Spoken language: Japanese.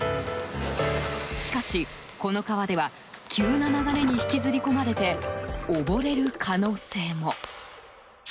しかし、この川では急な流れに引きずり込まれて溺れる可能性も。